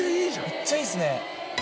めっちゃいいっすね。